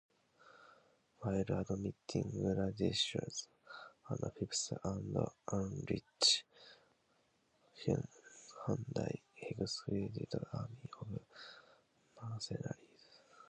While admitting Ladislaus the Fifth and Ulrich, Hunyadi excluded their army of mercenaries.